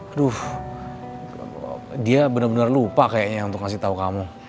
aduh dia bener bener lupa kayaknya untuk ngasih tau kamu